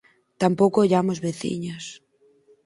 Tampouco ollamos veciños.